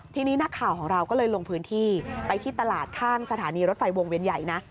ทีนี้นักข่าวของเราก็เลยลงพื้นที่ไปที่ตลาดข้างสถานีรถไฟวงเวียนใหญ่นะ